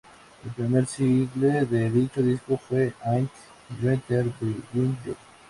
El primer single de dicho disco fue "I'd rather be with you".